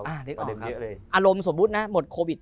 อ่าเรียกออกครับอารมณ์สมมตินะหมดโควิด